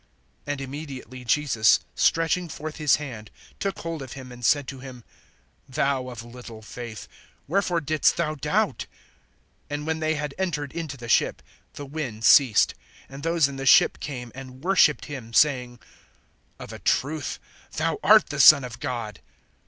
(31)And immediately Jesus, stretching forth his hand, took hold of him, and said to him: Thou of little faith, wherefore didst thou doubt? (32)And when they had entered into the ship, the wind ceased. (33)And those in the ship came and worshiped him[14:33], saying: Of a truth, thou art the Son of God.